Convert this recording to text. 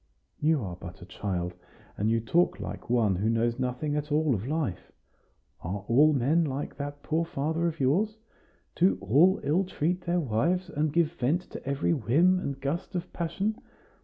"You are but a child, and you talk like one who knows nothing at all of life. Are all men like that poor father of yours? Do all ill treat their wives, and give vent to every whim and gust of passion?